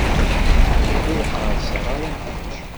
Ur qqerṣeɣ ara am kečč.